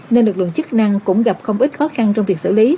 nên lực lượng chức năng cũng gặp không ít khó khăn trong việc xử lý